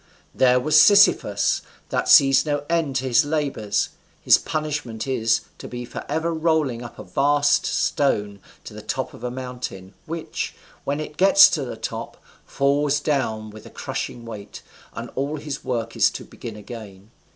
There was Sisyphus, that sees no end to his labours. His punishment is, to be forever rolling up a vast stone to the top of a mountain, which, when it gets to the top, falls down with a crushing weight, and all his work is to be begun again.